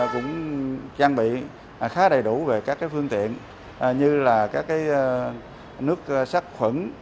chúng tôi cũng trang bị khá đầy đủ về các cái phương tiện như là các cái nước sắc khuẩn